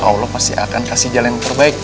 allah pasti akan kasih jalan yang terbaik